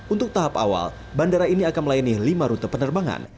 untuk tahap awal bandara ini akan melayani lima rute penerbangan